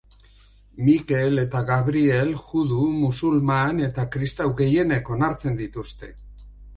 Mikel eta Gabriel judu, musulman eta kristau gehienek onartzen dituzte.